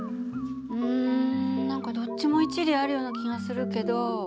うん何かどっちも一理あるような気がするけど。